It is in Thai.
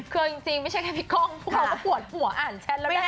คือจริงไม่ใช่แค่พี่ก้องพวกเขาก็ปวดปวดอ่านแชทแล้วได้อะไร